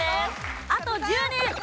あと１０年！